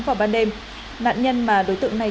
vào ban đêm nạn nhân mà đối tượng này